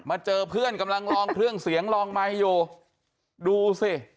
เจอเพื่อนกำลังลองเครื่องเสียงลองไมค์อยู่ดูสิ